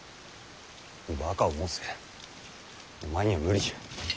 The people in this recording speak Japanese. バカを申せお前には無理じゃ。